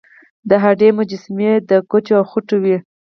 د هډې مجسمې د ګچو او خټو وې